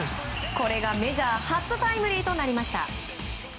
これがメジャー初タイムリーとなりました。